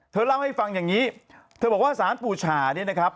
เธอเล่าให้ฟังอย่างนี้เธอบอกว่าสารปู่ฉาเนี่ยนะครับ